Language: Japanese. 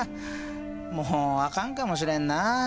もうあかんかもしれんな。